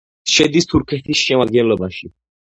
შედის თურქეთის შემადგენლობაში.